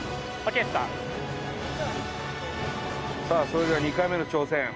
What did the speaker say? さあそれでは２回目の挑戦。